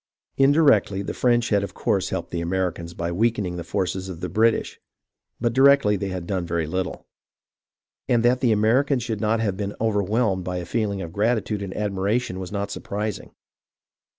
248 HISTORY OF THE AMERICAN REVOLUTION Indirectly the French had of course helped the Ameri cans by weakening the forces of the British, but directly they had done very little. And that the Americans should not have been overwhelmed by a feeling of gratitude and admiration was not surprising.